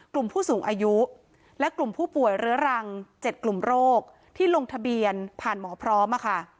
กลุ่มผู้สูงอายุและกลุ่มผู้ป่วยเรื้อรัง๗กลุ่มโรคที่ลงทะเบียนผ่านหมอพร้อมค่ะ